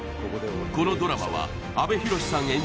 このドラマは阿部寛さん